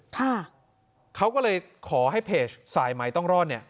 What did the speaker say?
ค่ะเขาก็เลยขอให้เพจสายใหม่ต้องรอดเนี่ย